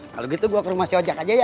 kalo gitu gue ke rumah si ojak aja ya